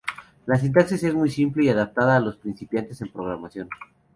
La sintaxis es muy simple y adaptada a los principiantes en programación.